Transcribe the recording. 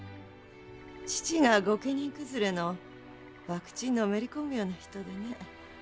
父が御家人くずれの博打にのめり込むような人でね。